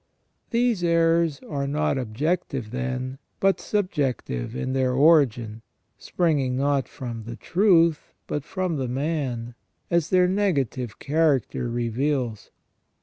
These errors are not objective, then, but subjective, in their origin, springing not from the truth but from the man, as their negative character reveals.